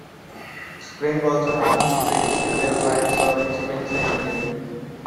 Springs also have the Springs Nigel Line serving Springs and Nigel.